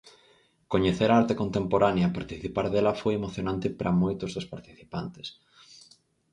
Coñecer a arte contemporánea e participar dela foi emocionante para moitos dos participantes.